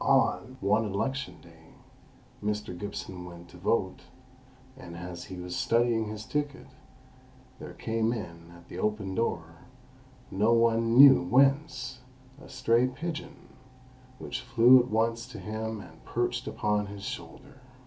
On one election day, Mr. Gibson went to vote, and as he was studying his ticket, there came in at the open door, no one knew whence, a stray pigeon, which flew at once to him and perched upon his shoulder.